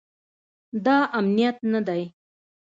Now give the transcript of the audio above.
دا امنیت نه دی